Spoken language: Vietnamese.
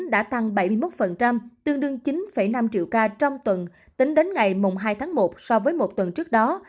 đã tăng bảy mươi một tương đương chín năm triệu ca trong tuần tính đến ngày hai tháng một so với một tuần trước đó